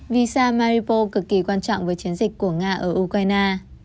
visa maripo cực kỳ quan trọng với chiến dịch của nga ở ukraine